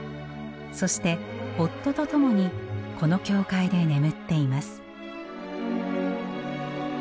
そして夫と共にこの教会で眠っています。